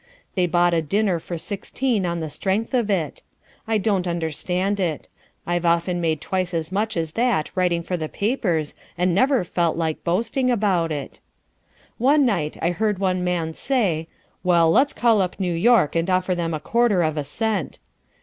They bought a dinner for sixteen on the strength of it. I don't understand it. I've often made twice as much as that writing for the papers and never felt like boasting about it. One night I heard one man say, "Well, let's call up New York and offer them a quarter of a cent."